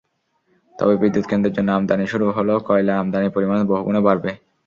তবে বিদ্যুৎকেন্দ্রের জন্য আমদানি শুরু হলে কয়লা আমদানির পরিমাণ বহুগুণে বাড়বে।